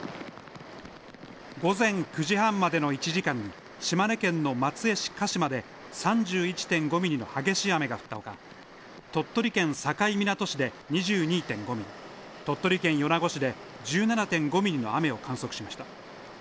午前９時半までの１時間に島根県の松江市鹿島で３１．５ミリの激しい雨が降ったほか、鳥取県境港市で２２．５ミリ、鳥取県米子市で１７．５ミリの雨を観測しました。